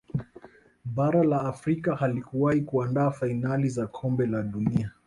bara la Afrika halikuwahi kuandaa fainali za kombe la dunia